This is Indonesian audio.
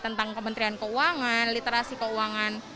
tentang kementerian keuangan literasi keuangan